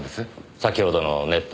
先ほどのネット